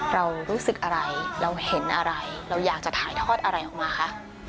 เรารู้สึกอะไรเราเห็นอะไรเราอยากจะถ่ายทอดอะไรออกมาคะ